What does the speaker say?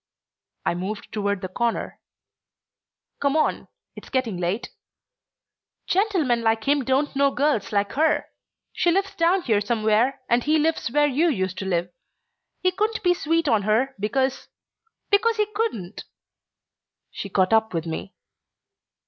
I moved toward the corner. "Come on. It's getting late." "Gentlemen like him don't know girls like her. She lives down here somewhere, and he lives where you used to live. He couldn't be sweet on her, because because he couldn't." She caught up with me.